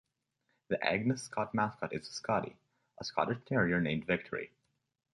The Agnes Scott mascot is a "Scottie," a Scottish Terrier named Victory.